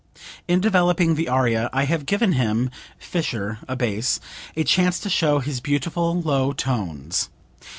In developing the aria I have given him (Fischer, a bass) a chance to show his beautiful low tones.